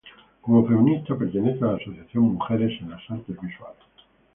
Como feminista, pertenece a la asociación Mujeres en las Artes Visuales.